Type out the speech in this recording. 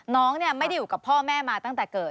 น้องไม่ได้อยู่กับพ่อแม่มาตั้งแต่เกิด